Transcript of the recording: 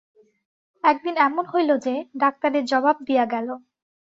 একদিন এমন হইল যে, ডাক্তারে জবাব দিয়া গেল।